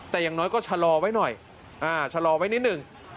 แต่อย่างน้อยก็ชะลอไว้หน่อยชะลอไว้นิดหนึ่ง